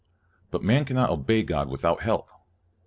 But man cannot obey God without help.